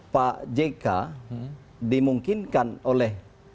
pak jk dimungkinkan oleh